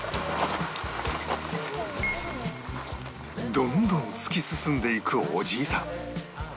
どんどん突き進んでいくおじいさん